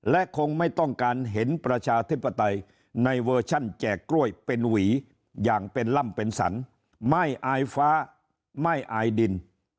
และคงไม่ต้องการเห็นประชาธิปไตยในเวอร์ชันแจกกล้วยเป็นหวีอย่างเป็นล่ำเป็นสรรไม่อายฟ้าไม่อายดิน